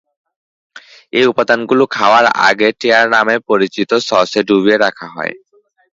এই উপাদানগুলো খাওয়ার আগে "টেয়ার" নামে পরিচিত সসে ডুবিয়ে রাখা হয়।